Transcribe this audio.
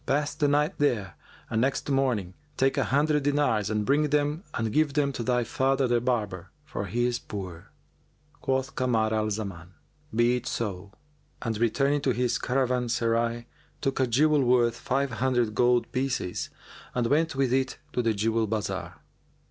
Pass the night there, and next morning, take an hundred dinars and bring them and give them to thy father the barber, for he is poor." Quoth Kamar al Zaman, "Be it so," and returning to his caravanserai, took a jewel worth five hundred gold pieces and went with it to the jewel bazar.